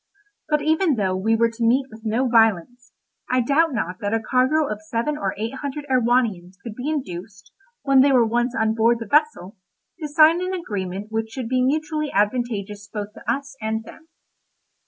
But even though we were to meet with no violence, I doubt not that a cargo of seven or eight hundred Erewhonians could be induced, when they were once on board the vessel, to sign an agreement which should be mutually advantageous both to us and them.